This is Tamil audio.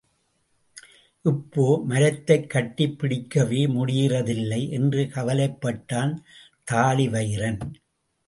இப்போ மரத்தைக் கட்டிப் பிடிக்கவே முடியறதில்லை என்று கவலைப் பட்டான் தாழிவயிறன்.